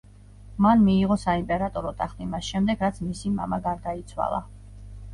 მან მიიღო საიმპერატორო ტახტი მას შემდეგ რაც მისი მამა გარდაიცვალა.